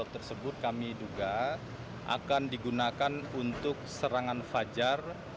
tersebut kami duga akan digunakan untuk serangan fajar